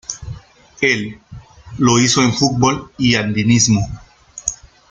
El, lo hizo en futbol y andinismo.